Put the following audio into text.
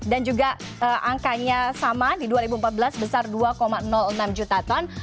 dan juga angkanya sama di dua ribu empat belas besar dua enam juta ton